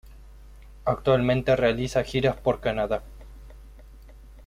Actualmente realiza giras por Canadá.